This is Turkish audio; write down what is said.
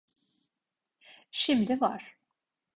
Şimdi var.